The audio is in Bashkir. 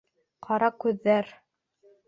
Ҡара күҙҙәр